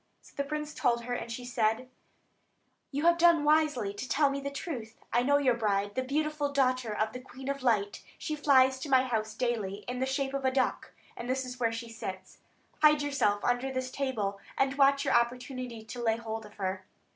So the prince told her, and she said: "You have done wisely to tell me the truth. I know your bride, the beautiful daughter of the Queen of Light; she flies to my house daily, in the shape of a duck, and this is where she sits. Hide yourself under the table, and watch your opportunity to lay hold of her.